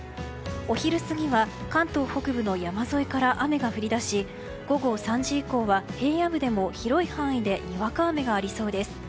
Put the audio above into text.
お昼過ぎは関東北部の山沿いから雨が降り出し午後３時以降は平野部でも広い範囲でにわか雨がありそうです。